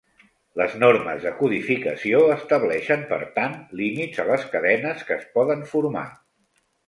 Les normes de codificació estableixen, per tant, límits a les cadenes que es poden formar.